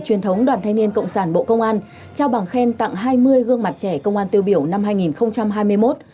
truyền thống đoàn thanh niên cộng sản bộ công an trao bằng khen tặng hai mươi gương mặt trẻ công an tiêu biểu năm hai nghìn hai mươi một